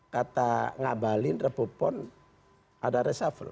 kata ngabalin rebupon ada resafel